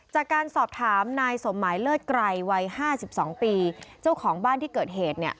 จากการสอบถามนายสมหมายเลิศไกรวัย๕๒ปีเจ้าของบ้านที่เกิดเหตุเนี่ย